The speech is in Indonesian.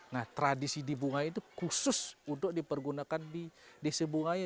nah tradisi di bunga itu khusus untuk dipergunakan di desa bungaya